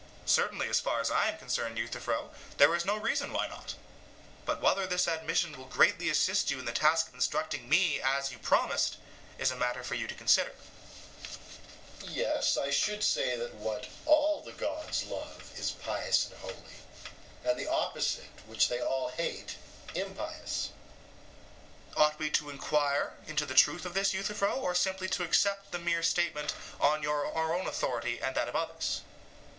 certainly, as far as I am concerned, Euthyphro, there is no reason why not. But whether this admission will greatly assist you in the task of instructing me as you promised, is a matter for you to consider. EUTHYPHRO: Yes, I should say that what all the gods love is pious and holy, and the opposite which they all hate, impious. SOCRATES: Ought we to enquire into the truth of this, Euthyphro, or simply to accept the mere statement on our own authority and that of others?